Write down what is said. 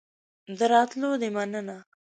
د راتلو دي مننه